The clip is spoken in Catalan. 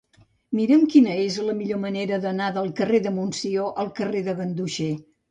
Mira'm quina és la millor manera d'anar del carrer de Montsió al carrer de Ganduxer.